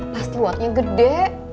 pasti wadnya gede